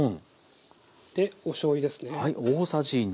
おしょうゆですね。